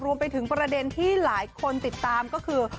รวมไปถึงประเด็นที่หลายคนติดตามก็คือ